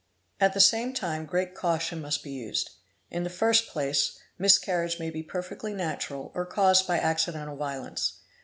: At the same time great caution must be used. In the first place ~ miscarriage may be perfectly natural or caused by accidental violence.